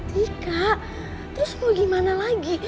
jika terus mau gimana lagi